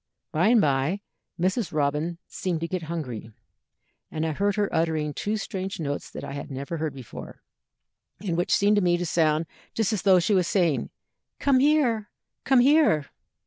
"By and by Mrs. Robin seemed to get hungry, and I heard her uttering two strange notes that I had never heard before, and which seemed to me to sound just as though she was saying, 'Come here! come here!'